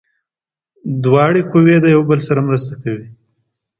دواړه قوې یو بل سره مرسته کوي.